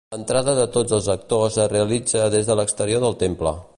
L'entrada de tots els actors es realitza des de l'exterior del temple.